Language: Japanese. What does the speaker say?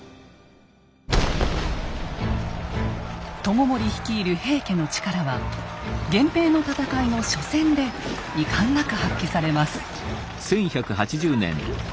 知盛率いる平家の力は源平の戦いの初戦で遺憾なく発揮されます。